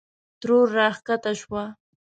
ترور راکښته شوه.